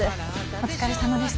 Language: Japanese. お疲れさまです。